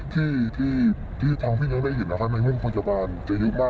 ที่ทางพี่ยังได้เห็นนะคะในห้องพยาบาลจะยุ่งมาก